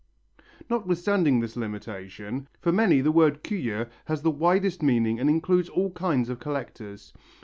] Notwithstanding this limitation, for many the word curieux has the widest meaning and includes all kinds of collectors.